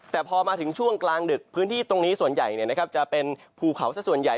แต่พอมาถึงช่วงกลางดึกพื้นที่ตรงนี้ส่วนใหญ่จะเป็นภูเขาสักส่วนใหญ่